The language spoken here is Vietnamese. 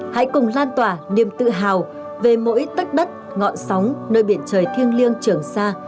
hãy cùng lan tỏa niềm tự hào về mỗi tách đất ngọn sóng nơi biển trời thiêng liêng trường xa